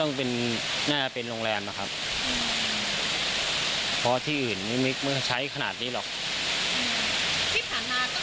ที่ผ่านมาตั้งแต่เราอยู่แถวนี้มา